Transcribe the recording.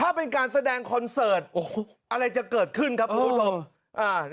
ถ้าเป็นการแสดงคอนเสิร์ตโอ้โหอะไรจะเกิดขึ้นครับคุณผู้ชมอ่า